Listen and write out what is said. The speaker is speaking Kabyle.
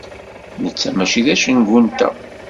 Netta mačči d acengu-nteɣ.